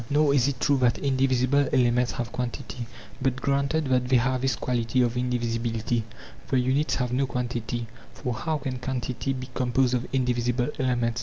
Nor is it true that indivisible elements have quantity; but, granted that they have this quality of indivisibility, the units have no quantity ; for how can quantity be composed of indivisible elements?